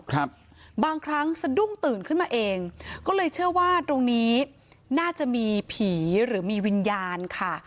ครับบางครั้งสะดุ้งตื่นขึ้นมาเองก็เลยเชื่อว่าตรงนี้น่าจะมีผีหรือมีวิญญาณค่ะ